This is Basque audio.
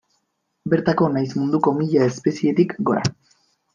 Bertako nahiz munduko mila espezietik gora.